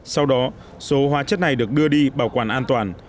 sau đó số hóa chất này được đưa đi bảo quản an toàn